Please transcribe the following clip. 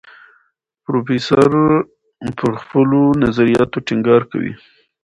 پروفیسور پر خپلو نظریاتو ټینګار کوي.